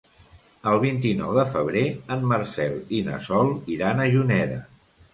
El vint-i-nou de febrer en Marcel i na Sol iran a Juneda.